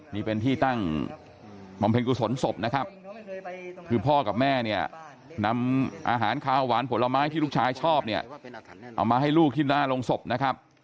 นี่เป็นที่ตั้งบำเพ็ญกุศลศพนะครับคือพ่อกับแม่เนี่ยนำอาหารขาวหวานผลไม้ที่ลูกชายชอบเนี่ยเอามาให้ลูกที่หน้าโรงศพนะครับ